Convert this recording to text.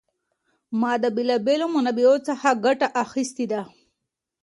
ما د بېلا بېلو منابعو څخه ګټه اخیستې ده.